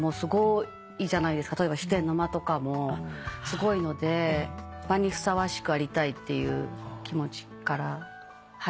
例えば飛天の間とかもすごいので場にふさわしくありたいっていう気持ちからはい。